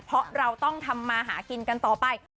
เพราะเราต้องทำมาหากินกันต่อไป